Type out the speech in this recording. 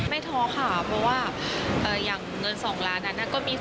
ไม่ท้องค่ะเพราะว่าอย่างเงิน๒ล้านนั้นก็มีส่วนหนึ่ง